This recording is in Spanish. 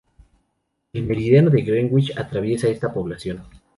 El Meridiano de Greenwich atraviesa esta población.